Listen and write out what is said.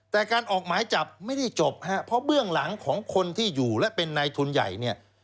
แต่การออกหมายจับไม่ได้จบฮะเพราะเบื้องหลังของคนที่อยู่และเป็นนายทุนใหญ่เนี่ย